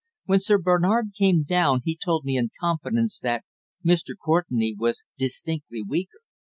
When Sir Bernard came down he told me in confidence that Mr. Courtenay was distinctly weaker."